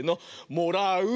「もらう」！